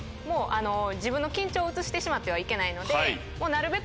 自分の緊張を移してしまってはいけないのでなるべく